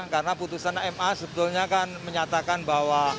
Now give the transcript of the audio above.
karena putusan ma sebetulnya kan menyatakan bahwa